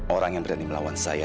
orang yang berani melawan saya